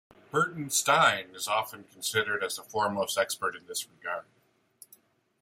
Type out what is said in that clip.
Burton Stein is often considered as the foremost expert in this regard.